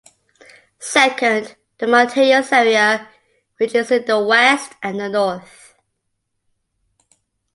Second, the mountainous area which is in the west and the north.